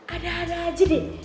ada ada aja deh